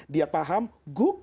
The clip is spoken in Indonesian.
dia paham guk